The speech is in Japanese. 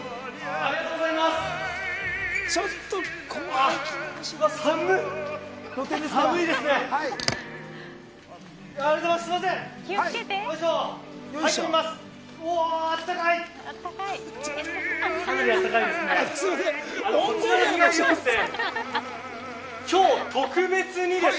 ありがとうございます。